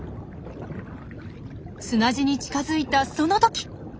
砂地に近づいたその時。